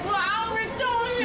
めっちゃおいしい。